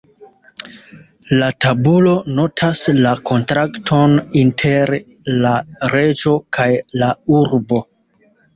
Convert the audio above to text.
La tabulo notas la kontrakton inter "la reĝo kaj la urbo".